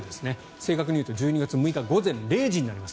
正確に言うと１２月６日午前０時になります。